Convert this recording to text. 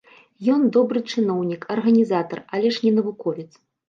Ён добры чыноўнік, арганізатар, але ж не навуковец.